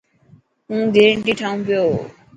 هون گرين ٽي ٺاهيون پيو.